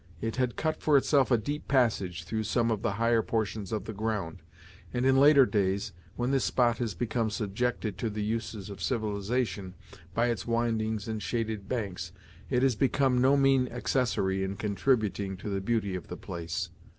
It had cut for itself a deep passage through some of the higher portions of the ground, and, in later days, when this spot has become subjected to the uses of civilization, by its windings and shaded banks, it has become no mean accessory in contributing to the beauty of the place.